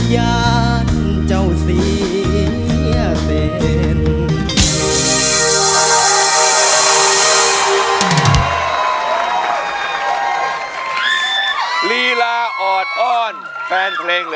ยานเจ้าเสียเย็น